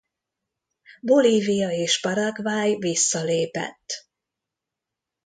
Bolívia és Paraguay visszalépett.